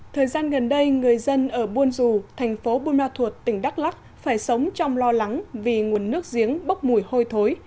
thời gian gần đây người dân ở buôn dù thành phố buôn ma thuột tỉnh đắk lắc phải sống trong lo lắng vì nguồn nước giếng bốc mùi hôi thối